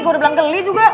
gua udah bilang geli juga